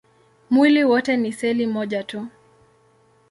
Mwili wote ni seli moja tu.